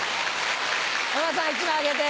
山田さん１枚あげて。